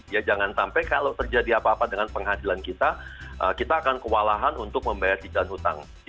ya jangan sampai kalau terjadi apa apa dengan penghasilan kita kita akan kewalahan untuk membayar cicilan hutang